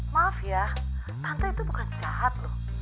maaf ya tante itu bukan jahat loh